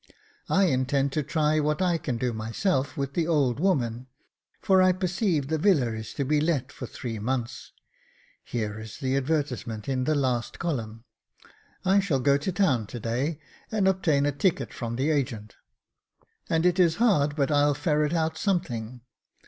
I intend to try what I can do myself with the old woman, for I perceive the villa is to be let for three months — here is the advertise ment in the last column. I shall go to town to day, and obtain a ticket from the agent, and it is hard but I'll ferret out something.